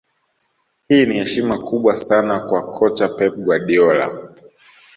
Hii ni heshima kubwa sana kwa kocha Pep Guardiola